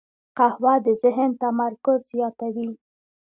قهوه د ذهن تمرکز زیاتوي